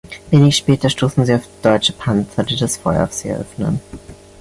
Wenig später stoßen sie auf deutsche Panzer, die das Feuer auf sie eröffnen.